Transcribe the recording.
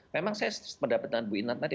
memang saya mendapatkan bu inat tadi